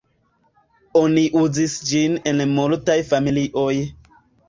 Oni uzis ĝin en multaj familioj.